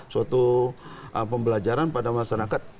suatu pembelajaran pada masyarakat